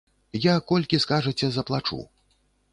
Я, колькі скажаце, заплачу.